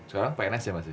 sekarang pns ya mas